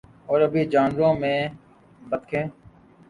اور آبی جانوروں میں بطخیں